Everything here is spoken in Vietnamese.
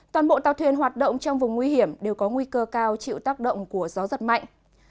toàn bộ tàu thuyền hoạt động trong vùng nguy hiểm đều có nguy cơ cao chịu tác động của gió giật mạnh